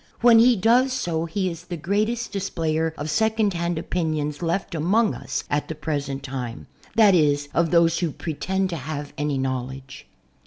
When he does so he is the greatest displayer of second hand opin ions left among us at the present time, that is of those \vho pretend to h^ye any knowledge.